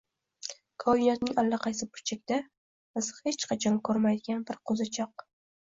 koinotning allaqaysi burchagida biz hech qachon ko‘rmagan bir qo‘zichoq